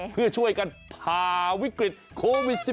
เพื่อช่วยกันผ่าวิกฤตโควิด๑๙